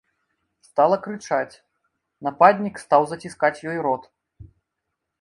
Стала крычаць, нападнік стаў заціскаць ёй рот.